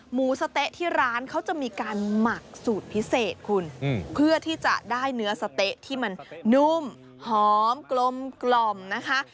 หมูสะเต๊ะที่ร้านเขาจะมีการหมักสูตรพิเศษคุณเพื่อที่จะได้เนื้อสะเต๊ะที่มันนุ่มหอมกลมนะคะ